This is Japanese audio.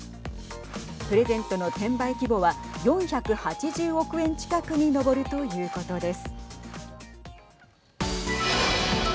プレゼントの転売規模は４８０億円近くに上るということです。